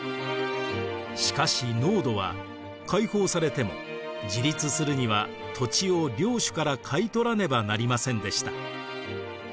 しかし農奴は解放されても自立するには土地を領主から買い取らねばなりませんでした。